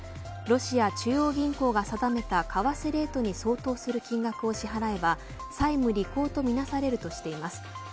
ロシア中央銀行が定めた為替レートに相当する金額を支払えば債務履行とみなされるとしています。